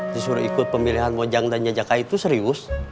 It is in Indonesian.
disuruh ikut pemilihan mojang dan jajaka itu serius